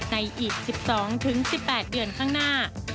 อีก๑๒๑๘เดือนข้างหน้า